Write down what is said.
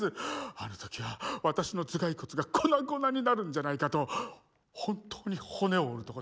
あの時は私の頭蓋骨が粉々になるんじゃないかと本当に骨を折るとこでした。